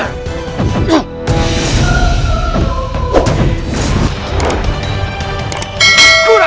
kau tidak boleh melihat